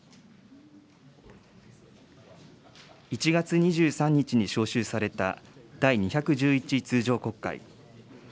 １月２３日に召集された第２１１通常国会。